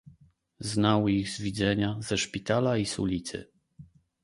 "Znał ich z widzenia, ze szpitala i z ulicy."